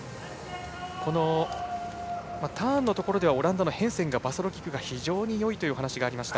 ターンのところではオランダのヘンセンがバサロキックが非常によいという話がありました。